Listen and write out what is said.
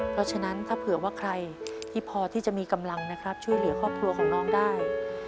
เพราะฉะนั้นถ้าเผื่อว่าใครที่พอที่จะมีกำลังนะครับช่วยเหลือครอบครัวของน้องได้